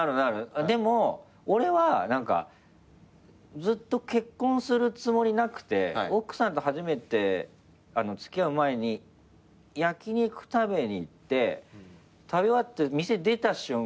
でも俺は何かずっと結婚するつもりなくて奥さんと初めて付き合う前に焼き肉食べに行って食べ終わって店出た瞬間